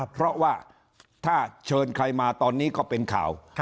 เพราะว่าถ้าเชิญใครมาตอนนี้ก็เป็นข่าว